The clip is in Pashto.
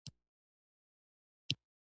بزګان د افغانستان د پوهنې نصاب کې شامل دي.